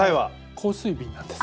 香水瓶なんです。